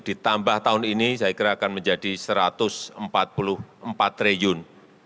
ditambah tahun ini saya kira akan menjadi rp satu ratus empat puluh empat triliun